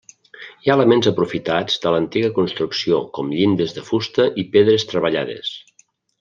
Hi ha elements aprofitats de l'antiga construcció com llindes de fusta i pedres treballades.